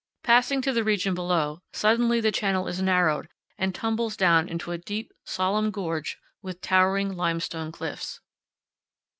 Passing to the region below, suddenly the channel is narrowed and tumbles down into a deep, solemn gorge with towering limestone cliffs.